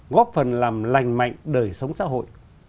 góp phần làm lành mạnh đời sống xã hội